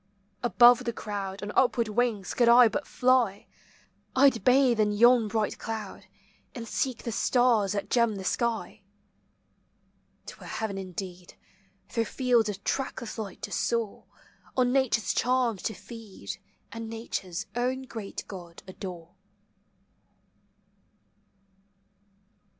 Above the crowd On upward wings could I but fly, I 'd bathe in yon bright cloud, And seek the stars that gem the sky. 'T were heaven indeed Through fields of trackless light to soar, On Nature's charms to feed, And Nature's own great God adore.